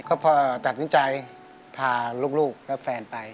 ก็พอตัดสินใจพาลูกและแฟนไป